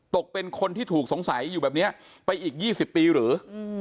เป็นคนที่ถูกสงสัยอยู่แบบนี้ไปอีก๒๐ปีหรือ